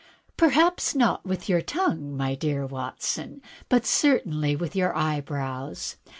"Perhaps not w^th your tongue, my dear Watson, but certainly with your eyebrows.